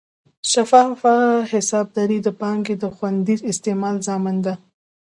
شفافه حسابداري د پانګې د خوندي استعمال ضامن ده.